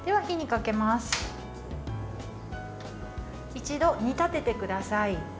一度、煮立ててください。